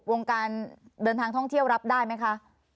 วงการเดินทางท่องเที่ยวรับได้ไหมคะ